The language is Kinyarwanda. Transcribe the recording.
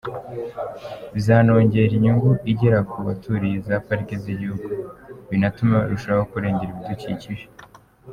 “Bizanongera inyungu igera ku baturiye za pariki z’igihugu, binatume barushaho kurengera ibidukikije.